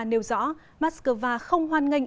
nêu rõ mắc cơ va không hoan nghênh